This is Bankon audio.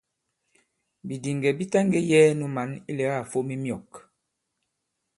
Bìdìŋgɛ̀ bi taŋgē yɛ̄ɛ nu mǎn ilɛ̀gâ à fom i myɔ̂k.